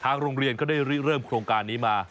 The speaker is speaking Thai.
โรงเรียนก็ได้เริ่มโครงการนี้มา